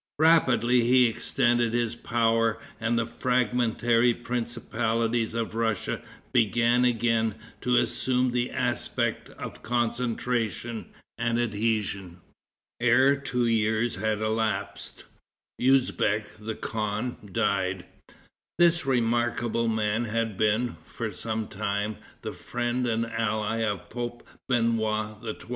Rapidly he extended his power, and the fragmentary principalities of Russia began again to assume the aspect of concentration and adhesion. Ere two years had elapsed, Usbeck, the khan, died. This remarkable man had been, for some time, the friend and the ally of Pope Benoit XII.